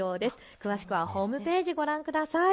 詳しくはホームページをご覧ください。